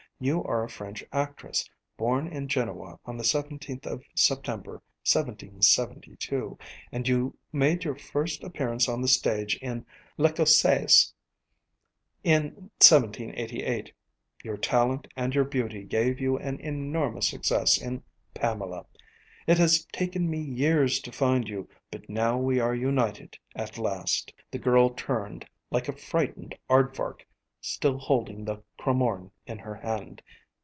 You are a French actress, born in Genoa on the seventeenth of September, 1772, and you made your first appearance on the stage in L'Ecossaise in 1788. Your talent and your beauty gave you an enormous success in Pamela. It has taken me years to find you, but now we are united at last." The girl turned like a frightened aardvark, still holding the cromorne in her hand.